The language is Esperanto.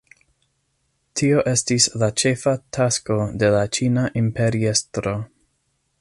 Tio estis la ĉefa tasko de la ĉina imperiestro.